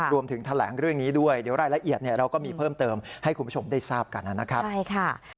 รวมถึงแถลงเรื่องนี้ด้วยเดี๋ยวรายละเอียดเราก็มีเพิ่มเติมให้คุณผู้ชมได้ทราบกันนะครับ